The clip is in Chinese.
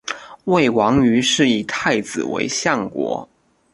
魏王于是以太子为相国。